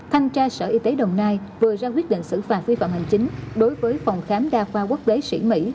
thanh tra sở y tế đồng nai vừa ra quyết định xử phạt vi phạm hành chính đối với phòng khám đa khoa quốc tế sĩ mỹ